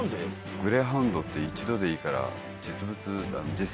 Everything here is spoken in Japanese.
グレーハウンドって一度でいいから実物。